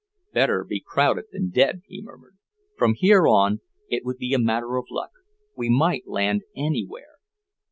"Better be crowded than dead," he murmured. "From here on, it would be a matter of luck. We might land anywhere."